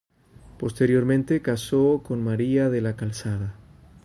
Posteriormente casó con María de la Calzada.